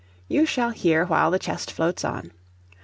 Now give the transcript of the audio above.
You shall hear while the chest floats on.